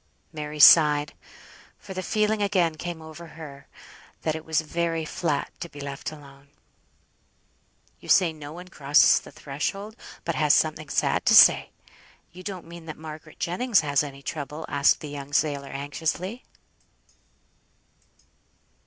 Mary sighed, for the feeling again came over her that it was very flat to be left alone. "You say no one crosses the threshold but has something sad to say; you don't mean that Margaret Jennings has any trouble?" asked the young sailor, anxiously.